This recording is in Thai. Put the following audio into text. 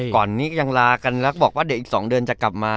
ก่อนนี้ยังลากันแล้วก็บอกว่าเดี๋ยวอีก๒เดือนจะกลับมา